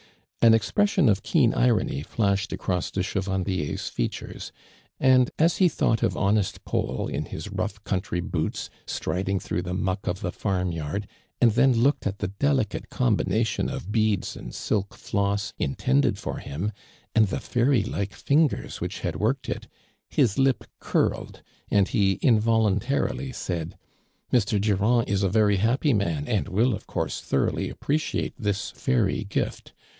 An expression of keen irony flashed across de Chevandier's features, and, as he thought of honest Paul in his rough country boots, striding through the muck of the farm yard, and then looked at the delicate combination of beads and silk floss mtended for him, and the faiiy like fingers which had worked it, his lip curled and he involuntar ily said : "Mr. Durand is a very happy man and will, of course, thoroughly api)reciate this fairy gift.